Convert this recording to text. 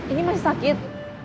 ini masih sakit